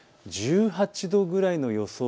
１８度ぐらいの予想